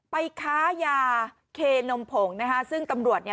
ไปค้ายาเคนมพงส์นะคะ